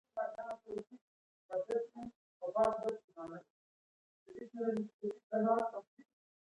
د رابطې جوړولو لپاره له خلکو لرې